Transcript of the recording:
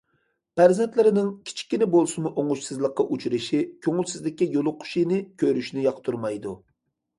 پەرزەنتلىرىنىڭ كىچىككىنە بولسىمۇ ئوڭۇشسىزلىققا ئۇچرىشى، كۆڭۈلسىزلىككە يولۇقۇشىنى كۆرۈشنى ياقتۇرمايدۇ......